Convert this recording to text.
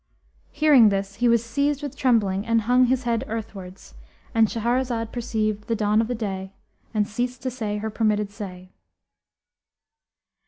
Hearing this, he was seized with trembling and hung his head earthwards,—And Shahrazad perceived the dawn of day and ceased to say her permitted say.